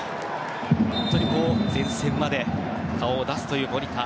本当に前線まで顔を出す守田。